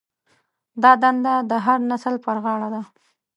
دا دنده د هر نسل پر غاړه ده.